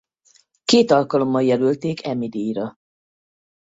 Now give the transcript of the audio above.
Két alkalommal jelölték Emmy-díjra.